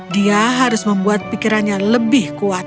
dia harus membuat pikirannya lebih kuat